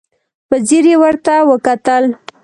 په ځير يې ورته وکتل.